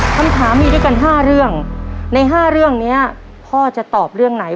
คำถามมีด้วยกัน๕เรื่องใน๕เรื่องนี้พ่อจะตอบเรื่องไหน